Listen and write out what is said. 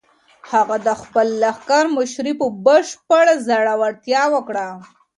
هغه د خپل لښکر مشري په بشپړ زړورتیا وکړه.